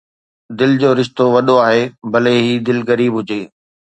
درد جو رشتو وڏو آهي، ڀلي هي دل غريب هجي